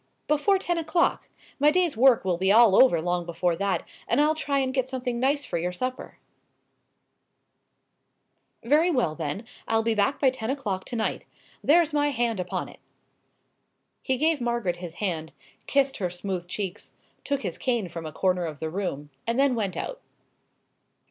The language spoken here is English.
"Before ten o'clock. My day's work will be all over long before that, and I'll try and get something nice for your supper." "Very well, then, I'll be back by ten o'clock to night. There's my hand upon it." He gave Margaret his hand, kissed her smooth cheeks, took his cane from a corner of the room, and then went out.